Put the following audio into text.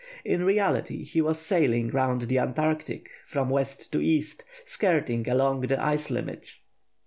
In reality, he was sailing round the Antarctic, from west to east, skirting along the ice limit.